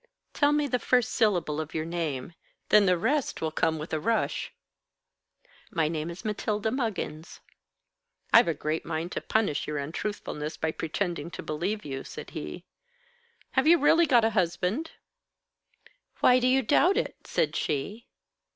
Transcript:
Tell me the first syllable of your name. Then the rest will come with a rush." "My name is Matilda Muggins." "I've a great mind to punish your untruthfulness by pretending to believe you," said he. "Have you really got a husband?" "Why do you doubt it?" said she.